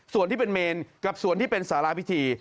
ส่วนที่เป็นเมนกับส่วนที่เป็นสาราพิธี